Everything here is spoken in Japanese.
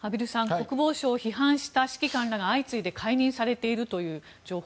国防省を批判した指揮官らが相次いで解任されているという情報